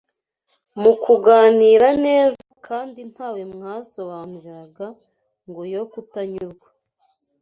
mu kuganira neza kandi ntawe mwasobanuriraga ngo yo kutanyurwa